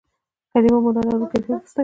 کلیمه مانا لرونکی لفظ دئ.